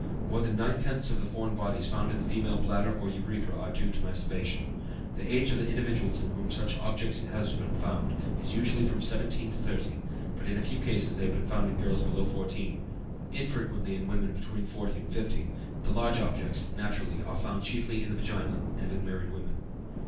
More than nine tenths of the foreign bodies found in the female bladder or urethra are due to masturbation. The age of the individuals in whom such objects have been found is usually from 17 to 30, but in a few cases they have been found in girls below 14, infrequently in women between 40 and 50; the large objects, naturally, are found chiefly in the vagina, and in married women.